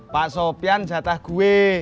pak sofyan jatah gue